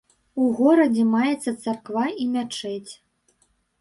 У горадзе маецца царква і мячэць.